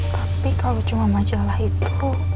tapi kalau cuma majalah itu